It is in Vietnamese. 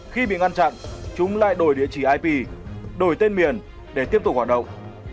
khi bị ngăn chặn chúng lại đổi địa chỉ ip đổi tên miền để tiếp tục hoạt động